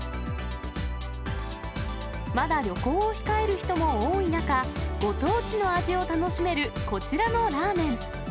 まだ旅行を控える人も多い中、ご当地の味を楽しめるこちらのラーメン。